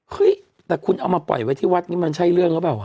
เฮ้ยแต่คุณเอามาปล่อยไว้ที่วัดนี้มันใช่เรื่องหรือเปล่า